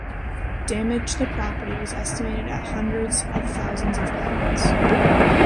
Damage to property was estimated at hundreds of thousands of pounds.